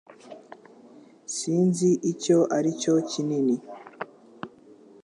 Sinzi icyo aricyo kinini